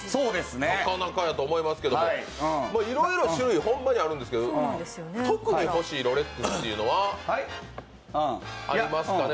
なかなかやと思いますけど、いろいろ種類、ホンマにあるんですけど、特に欲しいロレックスというのはありますかね？